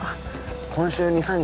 今週２３日